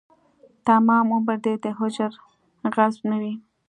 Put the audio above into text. تمام عمر دې د هجر غضب نه وي